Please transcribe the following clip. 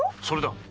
それだ！